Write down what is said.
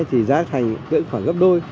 thì giá thành tưởng khoảng gấp đôi